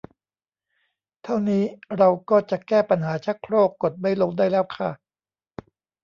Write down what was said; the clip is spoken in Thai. เท่านี้เราก็จะแก้ปัญหาชักโครกกดไม่ลงได้แล้วค่ะ